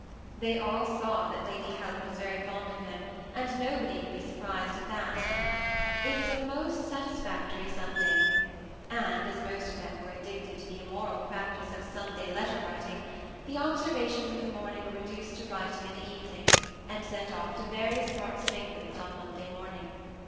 They all saw that Lady Helen was verr fond of him, and nobody could be surprised at that. It was a most satisfactory Sunday ; and as most of them were addicted to the immoral practice of Sunday letter writing, the observations of the morning were re duced to writing in the evening, and sent off to various parts of England on Monday morning.